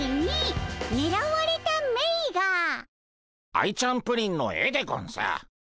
アイちゃんプリンの絵でゴンス。